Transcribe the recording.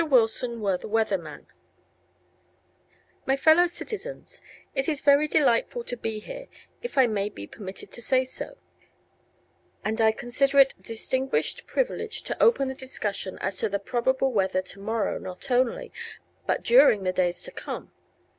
WILSON WERE THE WEATHER MAN My Fellow Citizens: It is very delightful to be here, if I may be permitted to say so, and I consider it a distinguished privilege to open the discussion as to the probable weather to morrow not only, but during the days to come.